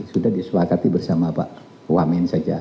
sudah disepakati bersama pak wamen saja